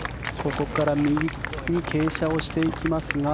ここから右に傾斜していきますが。